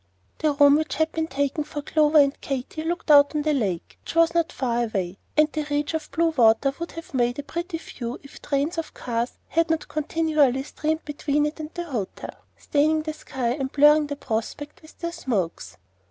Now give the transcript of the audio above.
The room which had been taken for Clover and Katy looked out on the lake, which was not far away; and the reach of blue water would have made a pretty view if trains of cars had not continually steamed between it and the hotel, staining the sky and blurring the prospect with their smokes.